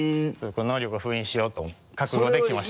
この能力を封印しようと思う覚悟で来ました。